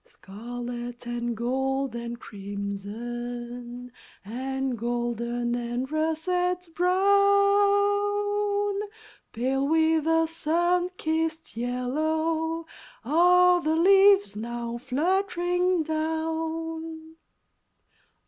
Scarlet and gold and crimson, And golden and russet brown; Pale with a sun kissed yellow Are the leaves now fluttering down.